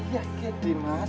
iya ke dimas